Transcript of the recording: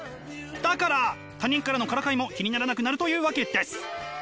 だから他人からのからかいも気にならなくなるというわけです！